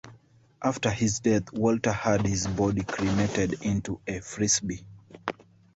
After his death Walter had his body cremated into a Frisbee.